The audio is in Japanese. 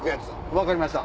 分かりました。